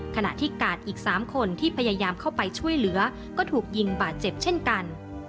ขณะที่กาดอีก๓คนที่พยายามเข้าไปช่วยเหลือก็ถูกยิงบาดเจ็บเช่นกัน